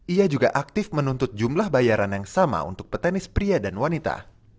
ia juga aktif menuntut jumlah bayaran yang sama untuk petenis pria dan wanita